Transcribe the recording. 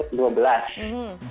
nah di situ